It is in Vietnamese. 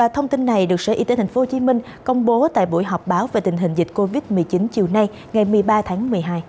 thông tin này được sở y tế tp hcm công bố tại buổi họp báo về tình hình dịch covid một mươi chín chiều nay ngày một mươi ba tháng một mươi hai